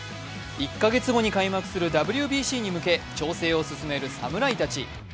１か月後に開幕するＷＢＣに向け調整を続ける侍たち。